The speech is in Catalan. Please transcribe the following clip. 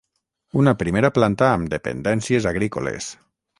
Una primera planta amb dependències agrícoles.